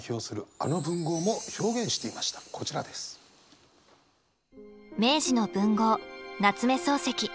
明治の文豪夏目漱石。